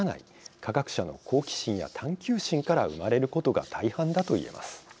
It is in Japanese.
科学者の好奇心や探究心から生まれることが大半だと言えます。